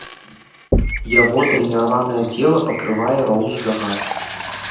Яго трэніраванае цела пакрывае роўны загар.